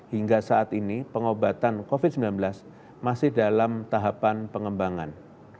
hingga saat ini pengobatan covid sembilan belas masih dalam tahapan pengembangan